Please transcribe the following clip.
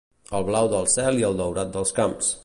El blau del cel i el daurat dels camps.